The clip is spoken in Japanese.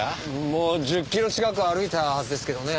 もう１０キロ近く歩いたはずですけどね。